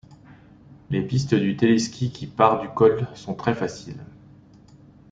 Les pistes du téléski qui part du col sont très faciles.